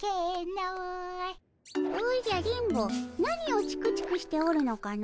おじゃ電ボ何をチクチクしておるのかの？